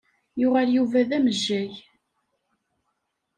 Yuɣal Yuba d amejjay.